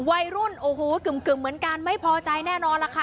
วัยรุ่นโอ้โหกึ่มเหมือนกันไม่พอใจแน่นอนล่ะค่ะ